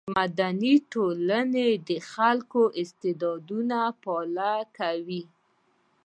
مدني ټولنې د خلکو استعدادونه فعاله کوي.